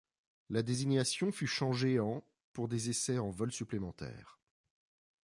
La désignation fut changée en pour des essais en vol supplémentaires.